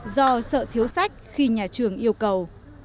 do sợ thiếu sách khi nhà trường yêu cầu